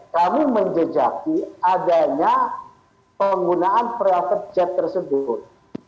kamu menjejaki adanya penggunaan private jet tersebut